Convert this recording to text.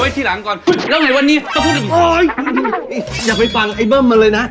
อย่าไปฟังไอบัมมันเลยนะ